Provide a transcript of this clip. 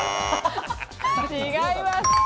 違います。